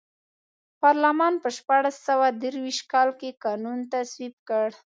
پارلمان په شپاړس سوه درویشت کال کې قانون تصویب کړ.